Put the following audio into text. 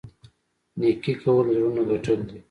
نیکي کول د زړونو ګټل دي.